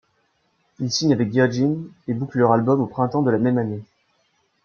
Ils signent avec Virgin et bouclent leur album au printemps de la même année.